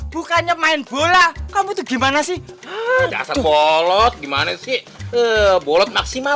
bukannya main bola kamu tuh gimana sih dasar bolot gimana sih bolot maksimal